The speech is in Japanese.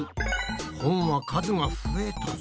本は数が増えたぞ。